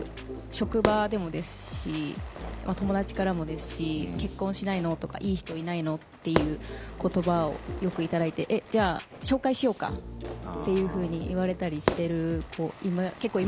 職場でもですし友達からもですし「結婚しないの？」とか「いい人いないの？」っていう言葉をよく頂いて「じゃあ紹介しようか？」っていうふうに言われたりしてる子結構いますね。